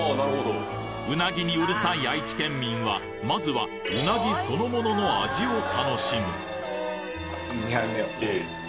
うなぎにうるさい愛知県民は、まずはうなぎそのものの味を楽しむ。